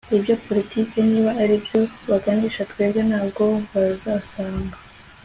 iyo politike niba ariyo baganisha twebwe ntabwo bazasanga